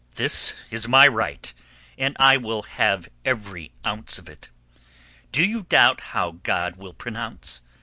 That is my right, and I will have every ounce of it. Do you doubt how God will pronounce?